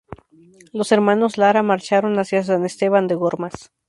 Los hermanos Lara marcharon hacia San Esteban de Gormaz.